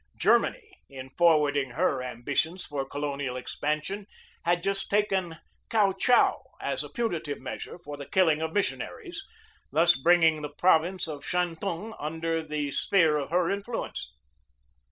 Germany, in forwarding her ambi tions for colonial expansion, had just taken Kiau Chau as a punitive measure for the killing of mis sionaries, thus bringing the province of Shantung under the sphere of her influence.